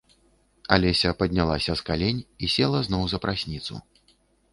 Алеся паднялася з калень і села зноў за прасніцу.